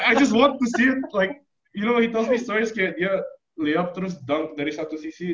i just want to see it like you know he tells me stories kayak dia layup terus dunk dari satu sisi